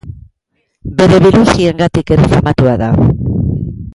Bere biluziengatik ere famatua da.